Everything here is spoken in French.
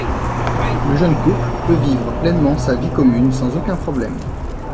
Le jeune couple peut vivre pleinement sa vie commune sans aucun problème.